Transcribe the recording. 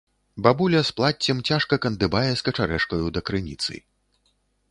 Бабуля з плаццем цяжка кандыбае з качарэжкаю да крыніцы.